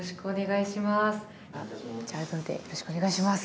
じゃあ改めてよろしくお願いします。